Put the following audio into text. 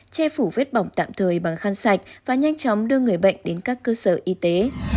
che phủ vết bỏng tạm thời bằng khăn sạch và nhanh chóng đưa người bệnh đến các cơ sở y tế